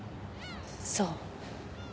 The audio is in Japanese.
そう。